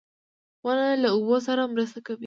• ونه له اوبو سره مرسته کوي.